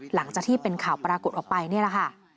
หลังจากที่เป็นข่าวปรากฏออกไปนี่แหละค่ะ